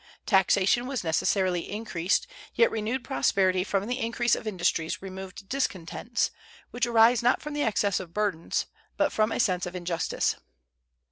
Taxation was necessarily increased; yet renewed prosperity from the increase of industries removed discontents, which arise not from the excess of burdens, but from a sense of injustice.